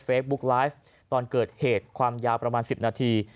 ไลฟ์ตอนเกิดเหตุความยาวประมาณ๑๐นาที